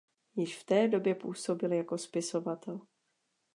Již v té době působil jako spisovatel.